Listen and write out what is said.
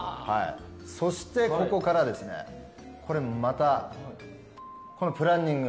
そして、ここからまたプランニング。